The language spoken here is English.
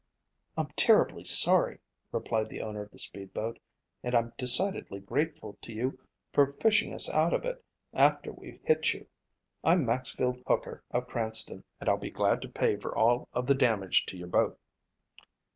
"I'm terribly sorry," replied the owner of the speed boat, "and I'm decidedly grateful to you for fishing us out of it after we hit you. I'm Maxfield Hooker of Cranston and I'll be glad to pay for all of the damage to your boat."